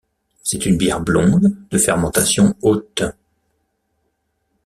C'est une bière blonde de fermentation haute.